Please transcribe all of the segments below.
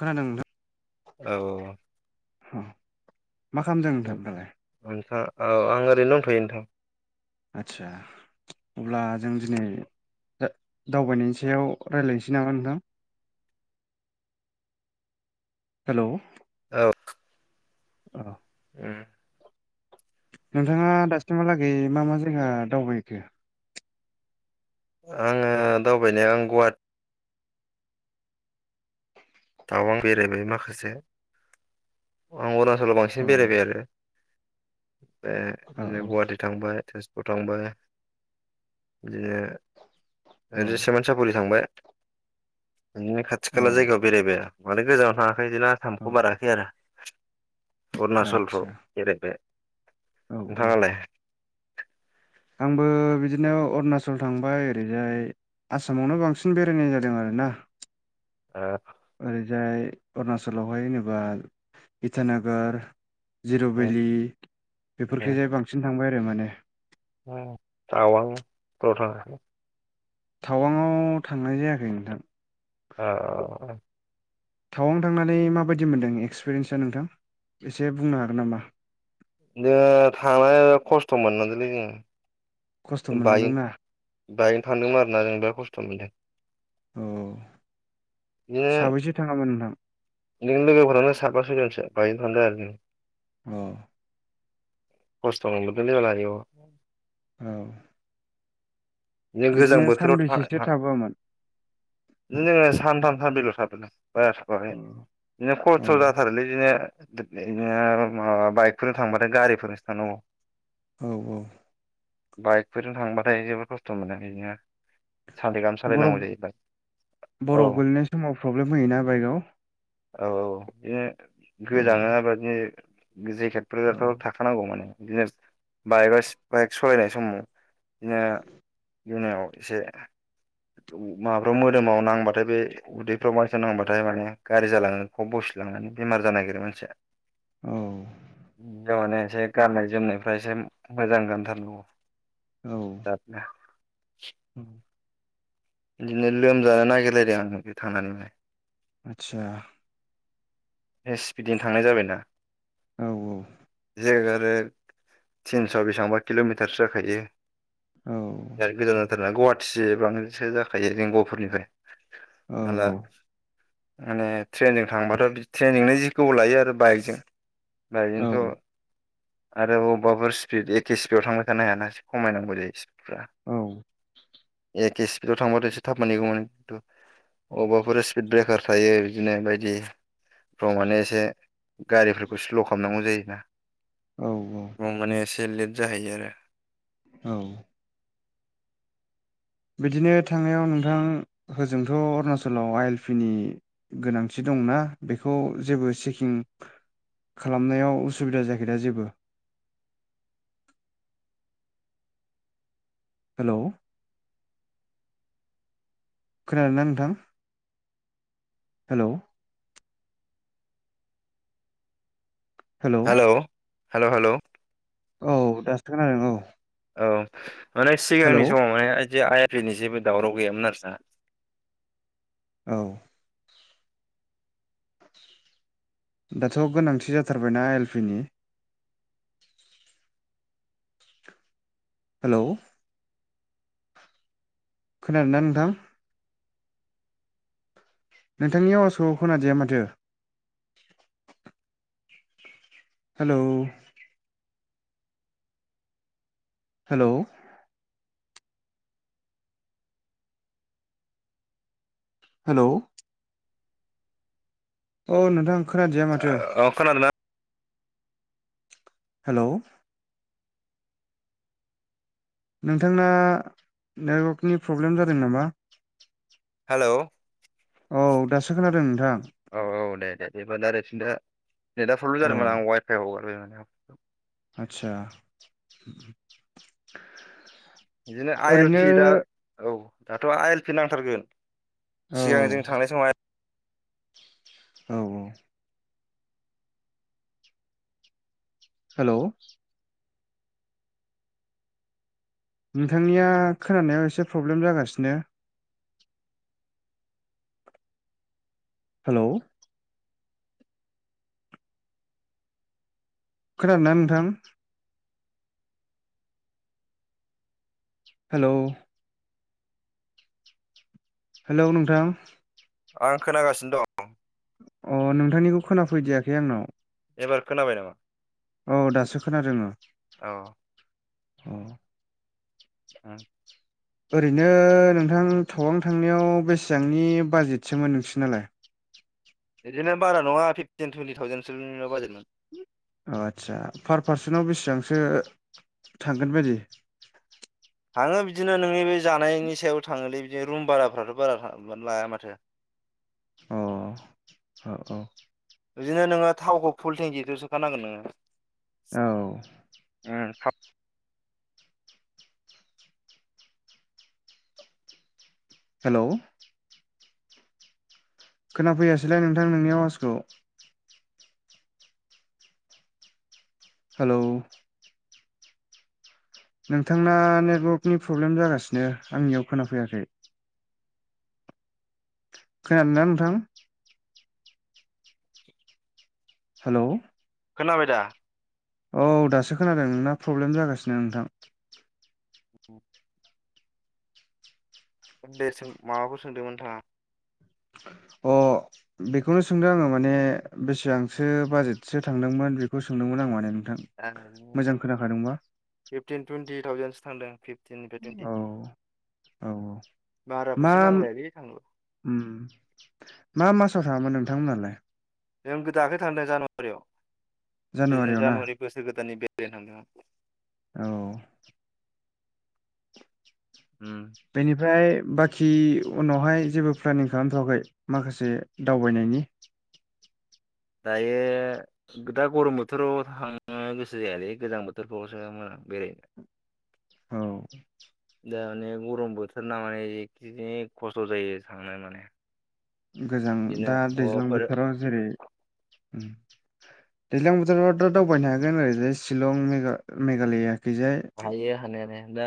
खोनादों नोंथां औ अ मा खालामदों नोंथां दालाय नोंथां औ आं ओरैनो दंथ'यो नोंथां आतसा अब्ला जों दिनै दावबायनायनि सायाव रायलायनोसै नामा नोंथां [inaudible] हेलौ औ औ ए नोंथाङा दासिमहालागै मा-मा जायगा दावबायखो आङो दावबायनाय आं गुवाट टावां बेरायबाय माखासे आं अर नासलाव बांसिन औ बेरायबाय आरो बिदिनो औ गुवाहाटि थांबाय तेजपुर थांबाय बिदिनो औ ओरै सेमोन साफुरि थांबाय नो खाथि औ खाला जायगायाव बेरायबाय माने गोजानाव थाङाखै बिदिनो औ आसामामखौ बाराखै आरो अरुणचलफ्राव आदसा जेरैबाय औ औ नोंथाङालाय आंबो बिदिनो अरुनाचल थांबाय ओरैजाय आसामावनो बांसिन बेरायनाय जादों आरोना [inaudible] आ जाय अरुणचलावहाय होनेबा इटानगर जिर' भेलि बेफोरखिजाय बांसिन थांबाय आरो माने [unintelligible] थावांआव थांनाय जायाखै नोंथां अ टावां थांनानै माबायदि मोनदों एक्सपिरियेन्सा नोंथां एसे बुंनो हागोन नामा जोङो थांनानै खस्थ' मोननसोलै जोङो खस्थ' बायन मोनलांदोंना बायनो थानदोंमोन आरोना जों बिराद खस्थ' मोनदों औ बिदिनो साबैसे थाङामोन नोंथां नों लोगोफोरावनो साफा [unintelligible] थांदों आरो जों औ खस्थ' [unintelligible] औ गोजां बिदिनो बोथोराव सानबेसेसो [unintelligible] थाबोआमोन जोङो सानथाम सानब्रैल थादोलै बारा थाबोआखै औ बिदिनो औ खस्थ' जाथारोलै बिदिनो बिनो माबा बाइकफोरजों थांबाथाय गारिफोरजोंसो थांनांगौ औ-औ बाइकफोरजों थांबाथाय जोबोद खस्थ' मोनो बेनो बरफ औ बरफ गोलैनाय समाव प्रब्लेम होयोना बायगाव औ-औ बिदिनो गोजाङो [unintelligible] औ जेकेटफोराथ' थाखानांगौ माने बिदिनो बाइक बाइक सालायनाय समाव बिदिनो [unintelligible] एसे माबाफ्राव मोदोमाव नांबाथाय बे उदैफ्राव मानसिनाव नांबाथाय माने गाज्रि जालाङो खब बस्थु बेमार जानो नागिरो मानसिया औ [unintelligible] एसे गाननाय जोमनायफ्रा एसे मोजां गानथारनांगौ औ आ औ बिदिनो लोमजानो नागिरलायदों आं थांनानैहाय आतसा ए स्पिडनो थांनाय जाबायना औ औ जायग आरो थिनस बेसेबांबा किल'मिटारसो जाखायो औ बिराद गोजान जाथारनाा गुवाहाटि बांद्रसो जाखायो जोंनि गहफुरनिफ्राय औ औ माने ट्रेनजों थांबाथ ट्रेनिजोंनो जि गोबाव लायो आरो बाइकजों औ बाइकजोंथ आरो अबेबाफोर स्पिड एखे स्पिडाव थांबाय थानो हायाना खमायनांगौ जायो स्पिडफ्रा औ एखे स्पिडव थांबाथाय एससे थाब मानहैगौमोन खिनथु अबावबाफोर स्पिड ब्रेकार थायो बिदिनो बायदि माने एसे गारिफोरखौ स्ल खालामनांगौ जायोना औ औ माने एसे लेट जाहैयो आरो औ बिदिनो थांनायाव नोंथां होजोंथ अरुणाचलाव आइ एल पि नि गोनांथि दं दंना बेखौ जेबो चकिं खालामनायाव उसुबिदा जायाखैदा जेबो हेल खोनादों ना नोंथां हेल हेलौ हेल हेल हेल औ दासो खोनांदों औ औ माने हेलौ सिगांनि समाव माने जे आइ एल पि नि जेबो दावराव गैयामोन आरो हा औ दाथ गोनांथि जाथारबायना आइ एल पि नि हेल खोनादोंना नोंथां नोंथांनि अआवाजखौ खोनादिया माथो हेल हेल हेल औ नोंथां खोनादिया माथो औ खनादोंना हेल नोंथांना नेटवर्कनि प्रब्लेम जादों नामा हेल औ औ दासो खोनादों नोंथां औ दे दे देबा द आरोसिन्था नेटा प्रब्लेम औ जादोंमोन आं वाइफाइ हगारबाय आतसा बिदिनो आइ एल पि दा औ दाथ आइ एल पि नांथारगोन औ सिगां जों थांनाय समाव आ औ औ हेल नोंथांनिया खोनानायाव एसे प्रब्लेम जागासिनो हेलौ खोनादोंना नोंथां हेल' हेल' नोंथां आं खोनागासिनो दं अ नोंथांनिखौ खोनाफैदियाखै आंनाव एबार खोनाबाय नामा औ दासो खोनादों ओं औ औ आ ओरैनो नोंथां थवां थांनायाव बेसेबांनि बाजेटसोमोन नोंसि नालाय बिदिनो बारा नङा फिफटिन टुइन्टि थाावजेनसोनिल बाजेटमोन अ आचसा पार पार्सनाव बेसेबांसो थांगोन बायदि थाङो बिदिनो नोंनि बे जानायनि सायाव थाङोलै बिदिनो रुम बाराफ्राथ' बारा लाया माथो अ औ औ बिदिनो नोङो थावखौ फुल थेंखिखौ सोखानांगोन नोङो औ हेल' खोनाफैयासैलाय नोंथां नोंनि आवाजखौ हेलौ नोंथांना नेटवर्कनि प्रब्लेम जागासिनो आंनियाव खोनाफैयाखै खैादोंना नोंथां [unintelligible] हेलौ खोनाबाय दा औ दासो खोनादों नोंना प्रब्लेम जागासिनो नोंथां दे सों माबाखौ सोंदों नोंथाङा अ बेखौनो सोंदों आङो माने बेसेबांसो बाजेटसो थांदोंमोन बेखौ सोंदोंमोन आं माने नोंथां ए मोजां खोनाखादोंबा फिफ्टिन टुइन्टि थावजेनसो थांदों फिफ औ औ बारा फैसा माम नांलायालै थांनोबो उम मा मासाव थाङामोन नोंथांमोनहालाय जों दाख्लै थांदों जानुवारियाव बिदिनो जानुवारियाव ना जानुवारि बोसोर गोदाननि बे [unintelligible] औ उम बेनिफ्राय बाखि उनावहाय जेबो प्लेनिं खालामथ'वाखै माखासे दावबायनायनि [inaudible] दायो गो दा गरम बोथोराव थाङो नो गोसो जायालै गोजां बोथोरफ्रावसो मोजां बेरायनो औ दा माने गरम बोथोर ना माने जिखि खस्थ' जायो थांनो माने गोजां बिदिनो दा दैज्लां माबाफोर बोथोराव जेरै दैज्लां बोथोराव दा दावबायनो हागोन ओरै शिलं मे मेघालया हायो हानायालाय दा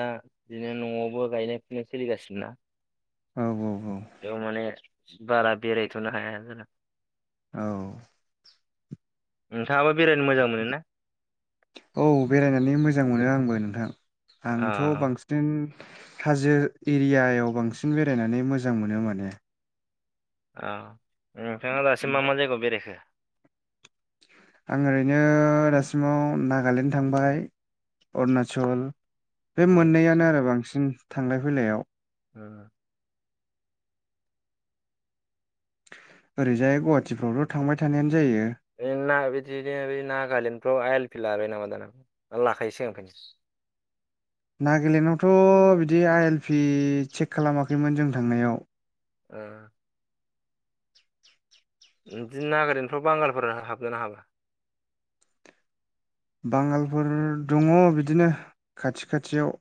बिदिनो न'आवबो गायनाय फुनाय सोलिगासिनोना औ औ औ बेयाव माने बारा बेरायथ'नो हाया जादों औ नोंथाङाबा बेरायनो मोजां मोनो ना औ बेरायनानै मोजां मोनो आंबो नोंथां आंथ' अ बांसिन हाजो एरियायाव बांसिन बेरायनानै मोजां मोनो माने औ नोंथांङा दसिम मा मा जायगायाव बेरायखो आं ओरैनो दासिमाव नागालेण्ड थांबाय अरुणाचल बे उम मोननैयानो आरो बांसिन थांलाय फैलायाव [unintelligible] ओरैजाय गुवाहाटिफ्रावथ' थांबाय थानायानो जायो बिदिनो नागालेण्ड फ्राव आइल फिलला आरो नामा दा नामा लाखायो [unintelligible] नागालेण्डआवथ' बिदि आइ एल पि चेक खालामाखैमोन जों थांनायाव ओ बिदिनो नागालेण्डफ्राव बांगालफोराव हाबोना ना हाबा बांगालफोर दंङो बिदिनो खाथि खाथियाव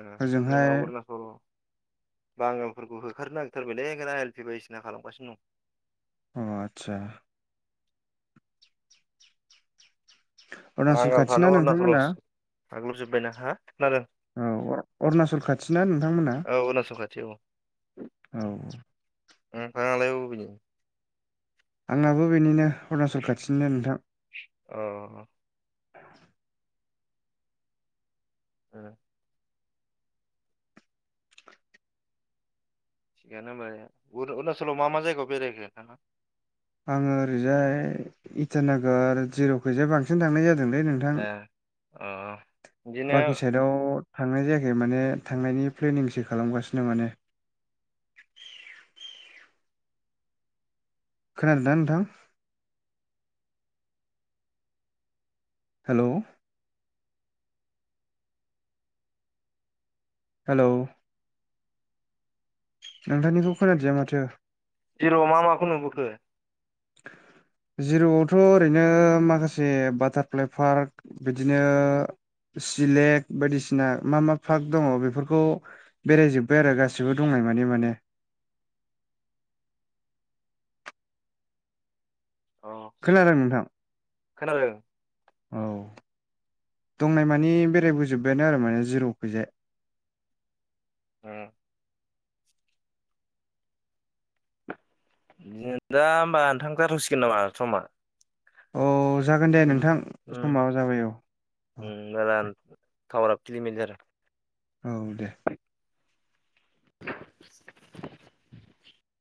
उम ओजोंहाय जोंना उरणाचल बांगालफोरखौ होखारनो नागिरथारबायलै [unintelligible] एल पि बायदिसिना खालामगासिनो दं अ आतसा अरुणाचल बांगाल खाथिना फोरानो नोंथांमोना उलनासलयावसो खारगुलुं जोबायना औ अरुणाचल खाथिना नोंथांमोना औ अरुणाचल खाथि औ औ नोंथां आंहाबो बेनिनो अरुणाचल खाथिनिनो नोंथां अ [inaudible] [unintelligible] थिगानो होमबा अरुणाचलाव मा मा जायगायाव बेरायखो नोंथांङा आंङो ओरैजाय इटानगर जिरावखैजाय बांसिन थांनाय जादों लै नोंथां ए अ बिदिनो बाखि साइदआव थांनाय जायाखै माने थांनायनि प्लेनिंसो खालामगासिनो माने [inaudible] खोनादों ना नोंथां हेलौ हेलौ नोंथांनिखौ खोनादिया माथो जिरवा मा मा खौनुबो खो [inaudible] जिरआवथ' ओरैनो माखासे बाटारफ्लाइ पार्क बिदिनो सिलेक बायदिसिना मा मा पार्क दंङो बेफोरखौ बेरायजोबबाय आरो गासिबो दंङो माने अ खोनादों नोंथां खोनादों? औ दंनाय मानिे बेरायबोजोबबायानो आरो माने जिरव खैजाय उम दा होमबा नोंथां जाथ'सिगोन नामा समा औ जागोन दे उम नोंथां उम समाबा जाबाय औ - औ दे थावारा खिलि मिलि औ दे [inaudible]